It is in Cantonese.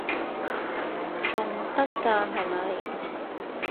仲得㗎係咪？